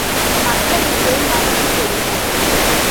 மக்களுக்கு மதிப்புக் கொடுப்போம்.